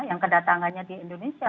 yang kedatangannya di indonesia